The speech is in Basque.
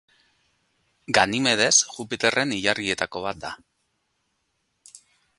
Ganimedes Jupiterren ilargietako bat da.